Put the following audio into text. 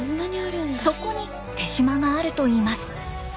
そこに手島があるといいます。